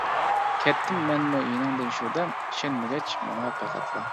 كەتتىم مەنمۇ يېنىڭدىن شۇ دەم، ئىشەنمىگەچ ماڭا پەقەتلا.